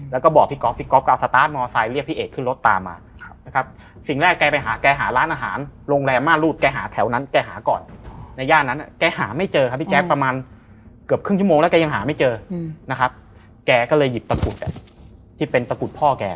แกก็เลยหยิบตะกุดที่เป็นตะกุดพ่อแก